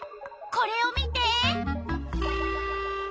これを見て！